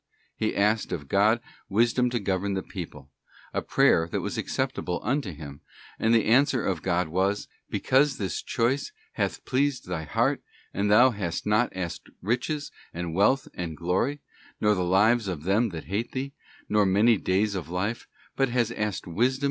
He asked of God wisdom to govern the people—a prayer that was acceptable unto Him—and the answer of God was: ' Because this choice hath pleased thy heart, and thou hast not asked riches and wealth and glory, nor the lives of them that hate thee, nor many days of life; but hast asked wisdom *§, Matth.